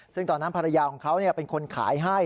ซึ่งตอนนั้นภรรยาของเขาเป็นคนขายให้